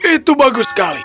itu bagus sekali